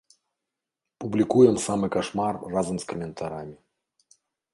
Публікуем самы кашмар разам з каментарамі.